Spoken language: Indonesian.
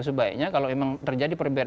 sebaiknya kalau memang terjadi perbedaan